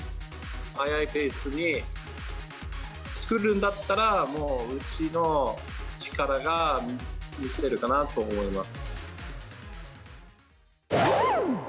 速いペースに、作るんだったらうちの力が見せれるかなと思います。